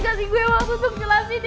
kasih gue waktu untuk jelasin ya